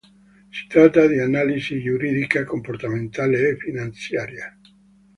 Si tratta di analisi giuridica, comportamentale e finanziaria.